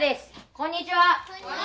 こんにちは。